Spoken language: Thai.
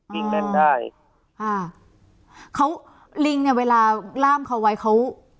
ลิงเล่นได้อ่าเขาลิงเนี้ยเวลาล่ามเขาไว้เขา